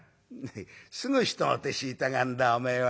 「すぐ人の手知りたがんだおめえは。